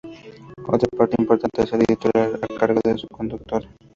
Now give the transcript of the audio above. Otra parte importante es el editorial a cargo de su conductora.